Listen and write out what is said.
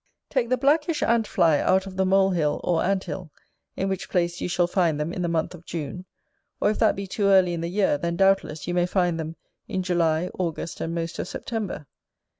Take the blackish ant fly out of the mole hill or ant hill, in which place you shall find them in the month of June; or if that be too early in the year, then, doubtless, you may find them in July, August, and most of September.